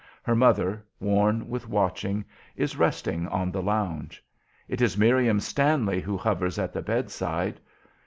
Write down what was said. Her mother, worn with watching, is resting on the lounge. It is Miriam Stanley who hovers at the bedside.